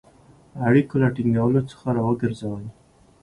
اړیکو له ټینګولو څخه را وګرځوی.